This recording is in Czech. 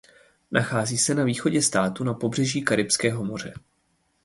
Nachází se na východě státu na pobřeží Karibského moře.